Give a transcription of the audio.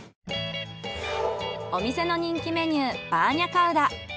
お店の人気メニューバーニャカウダ。